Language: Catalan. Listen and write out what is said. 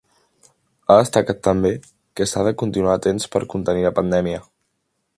Ha destacat també que s’ha de continuar atents per a contenir la pandèmia.